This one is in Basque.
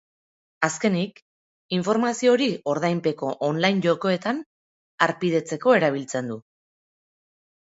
Azkenik, informazio hori ordainpeko online jokoetan harpidetzeko erabiltzen du.